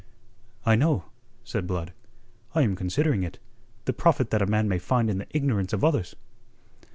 "I know," said Blood. "I am considering it the profit that a man may find in the ignorance of others."